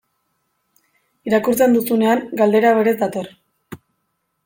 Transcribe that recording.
Irakurtzen duzunean, galdera berez dator.